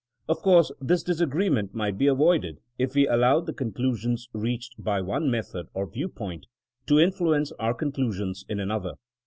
Of course, this disagree ment might be avoided if we allowed the con clusions reached by one method or viewpoint to influence our conclusions in another.